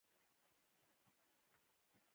څلور کاله کیږي چې زه په دې کمپ کې ماموره یم.